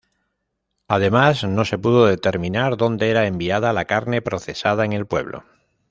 Además no se pudo determinar dónde era enviada la carne procesada en el pueblo.